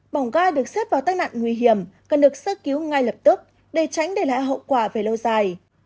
bỏng ga được xếp vào tai nạn nguy hiểm cần được sơ cứu ngay lập tức để tránh để lại hậu quả về lâu dài